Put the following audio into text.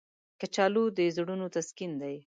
کچالو د زړونو تسکین دی